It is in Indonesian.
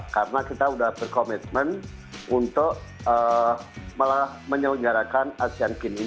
karena kita sudah berkomitmen untuk menyalurkan asian kini